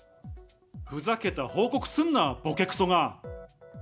ふざけた報告すんな、ぼけくそが！